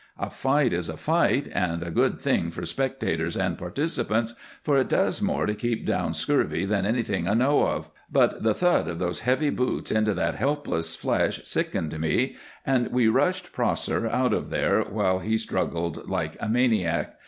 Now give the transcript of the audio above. A fight is a fight, and a good thing for spectators and participants, for it does more to keep down scurvy than anything I know of, but the thud of those heavy boots into that helpless flesh sickened me, and we rushed Prosser out of there while he struggled like a maniac.